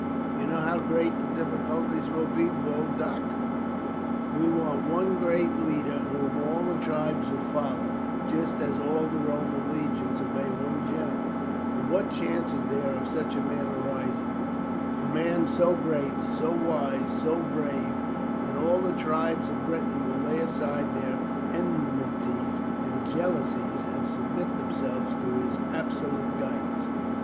"You know how great the difficulties will be, Boduoc; we want one great leader whom all the tribes will follow, just as all the Roman legions obey one general; and what chance is there of such a man arising a man so great, so wise, so brave, that all the tribes of Britain will lay aside their enmities and jealousies, and submit themselves to his absolute guidance?"